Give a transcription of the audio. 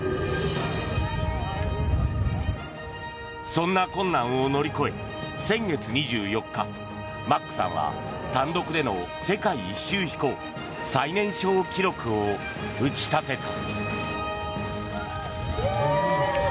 そんな困難を乗り越え先月２４日マックさんは単独での世界一周飛行最年少記録を打ち立てた。